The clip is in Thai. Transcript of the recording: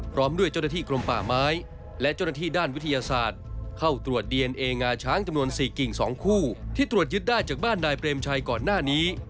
พร้อมด้วยเจ้าหน้าที่กรมป่าไม้และเจ้าหน้าที่ด้านวิทยาศาสตร์เข้าตรวจดีเอนเองาช้างจำนวน๔กิ่ง๒คู่ที่ตรวจยึดได้จากบ้านนายเปรมชัยก่อนหน้านี้